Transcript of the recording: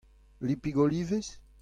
Lipig olivez ?